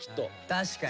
確かに。